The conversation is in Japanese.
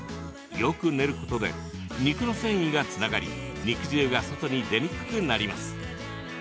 よく練ることで肉の繊維がつながり肉汁が外に出にくくなります。